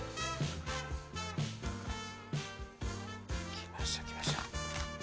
きました、きました。